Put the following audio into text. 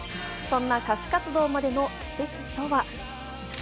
そんな歌手活動までの軌跡とは。